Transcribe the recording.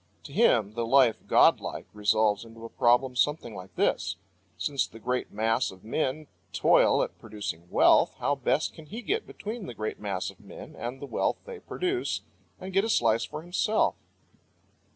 To him the life godlike resolves into a problem something like this: Since the great mass of men toil at producing wealth, how best can he get between the great mass of men and the wealth they produce, and get a slice for himself?